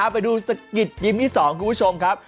ไปดูสะกิดยิ้มที่๒คุณผู้ชมครับ